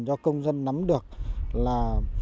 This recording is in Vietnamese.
cho công dân nắm được là